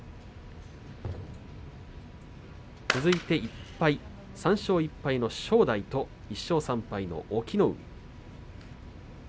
続いて１敗３勝１敗の正代と１勝３敗の隠岐の海。